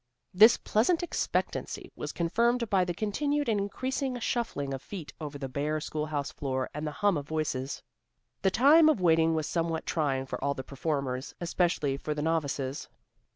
This pleasant expectancy was confirmed by the continued and increasing shuffling of feet over the bare schoolhouse floor and the hum of voices. The time of waiting was somewhat trying for all the performers, especially for the novices.